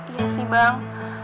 ya sih bang